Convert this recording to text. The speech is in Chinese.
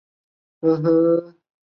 福建邵武人。